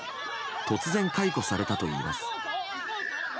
突然、解雇されたといいます。